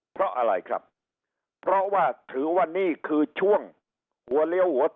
เพราะอะไรครับเพราะว่าถือว่านี่คือช่วงหัวเลี้ยวหัว